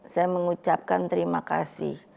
saya mengucapkan terima kasih